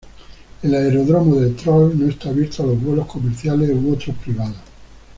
El Aeródromo de Troll no está abierto a los vuelos comerciales u otros privados.